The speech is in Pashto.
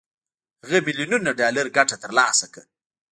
هغه میلیونونه ډالر ګټه تر لاسه کړه